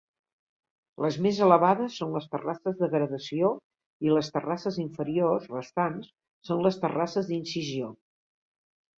Les més elevades són les terrasses d'agradació i les terrasses inferiors restants són les terrasses d'incisió.